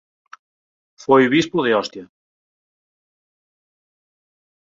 Foi bispo de Ostia.